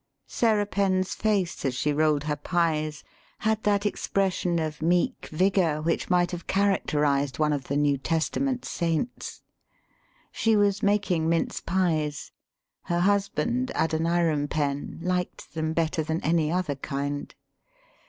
Sarah Penn's face as she rolled her pies had that expression of meek vigor which might have characterized one of the New Testament saints. THE SPEAKING VOICE She was making mince pies. 'Her husband, Adoniram Penn, liked them better than any other kind.